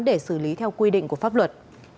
để xử lý theo quy định của pháp luật